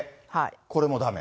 これもだめ？